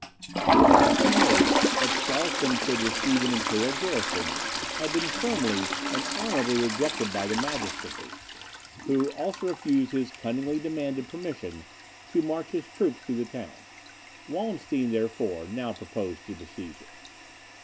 The request he made, that Stralsund should receive an imperial garrison, had been firmly and honourably rejected by the magistracy, who also refused his cunningly demanded permission to march his troops through the town, Wallenstein, therefore, now proposed to besiege it.